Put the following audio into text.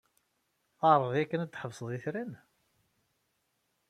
Tɛerḍeḍ yakan ad tḥesbeḍ itran?